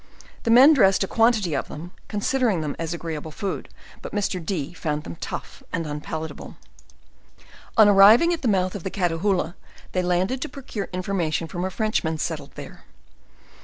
The men dressed a quantity of them, considering them as agreeable food: but Mr. D found them tough and unpalatable. 180 JOURNAL OF On arriving at the mouth of the Catahoola, they landed to procure information from a Frenchman settled there.